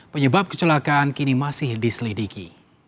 penyebab kecelakaan kini masih diselidiki